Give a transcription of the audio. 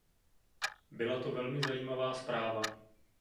Byla to velmi zajímavá zpráva.